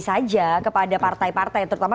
saja kepada partai partai terutama